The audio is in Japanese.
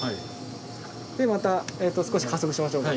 でまた少し加速しましょう。